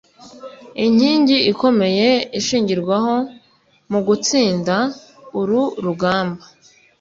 inkingi ikomeye ishingirwaho mu gutsinda uru rugamba.